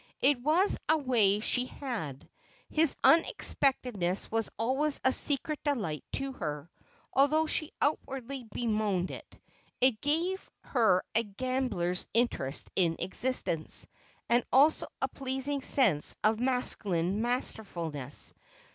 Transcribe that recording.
It was a way she had. His unexpectedness was always a secret delight to her, although she outwardly bemoaned it; it gave her a gambler's interest in existence, and also a pleasing sense of masculine masterfulness.